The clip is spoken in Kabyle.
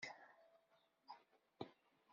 Werri-d.